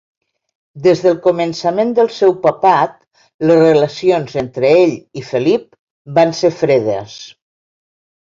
Des del començament del seu papat, les relacions entre ell i Felip van ser fredes.